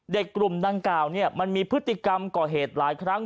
กลุ่มดังกล่าวมันมีพฤติกรรมก่อเหตุหลายครั้ง